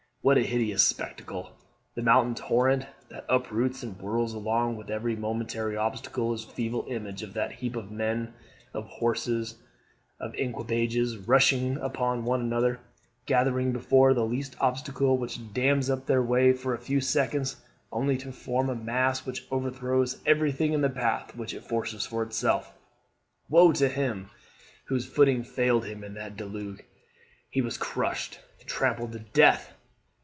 What a hideous spectacle! The mountain torrent, that uproots and whirls along with it every momentary obstacle, is a feeble image of that heap of men, of horses, of equipages, rushing one upon another; gathering before the least obstacle which dams up their way for a few seconds, only to form a mass which overthrows everything in the path which it forces for itself. Woe to him whose footing failed him in that deluge! He was crushed, trampled to death!